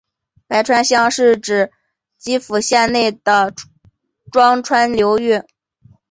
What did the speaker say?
白川乡是指岐阜县内的庄川流域。